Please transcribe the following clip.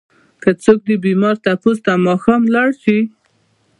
که څوک د بيمار تپوس ته ماښام لاړ شي؛